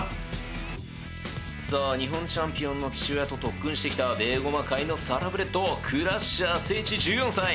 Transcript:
さあ日本チャンピオンの父親と特訓してきたベーゴマ界のサラブレッドクラッシャーせいち１４歳！